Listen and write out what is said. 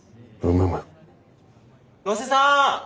野瀬さん！